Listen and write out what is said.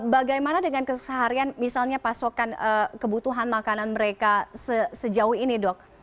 bagaimana dengan keseharian misalnya pasokan kebutuhan makanan mereka sejauh ini dok